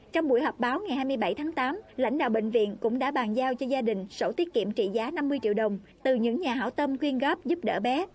trong buổi họp báo ngày hai mươi bảy tháng tám lãnh đạo bệnh viện cũng đã bàn giao cho gia đình sổ tiết kiệm trị giá năm mươi triệu đồng từ những nhà hảo tâm quyên góp giúp đỡ bé